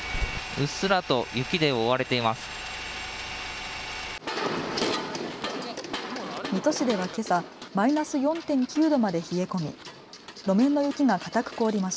うっすらと雪で覆われています。